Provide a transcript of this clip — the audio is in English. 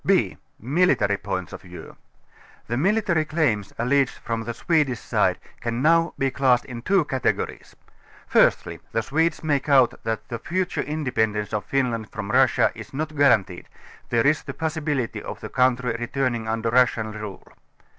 10 b) Military Points of View. The military claims alleged from the Swedish side, can now be classed in two categories. Firstly the Swedes make out that the future independence of Finland from Russia is not guaranteed; there is the possibility of the country re turning under Russian rule.